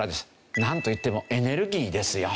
なんといってもエネルギーですよ。